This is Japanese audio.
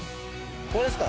これですか？